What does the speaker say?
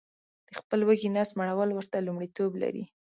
د خپل وږي نس مړول ورته لمړیتوب لري